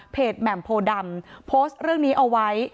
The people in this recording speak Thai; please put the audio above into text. แหม่มโพดำโพสต์เรื่องนี้เอาไว้